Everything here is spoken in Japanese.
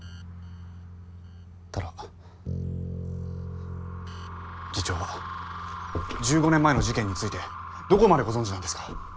ただ次長は１５年前の事件についてどこまでご存じなんですか？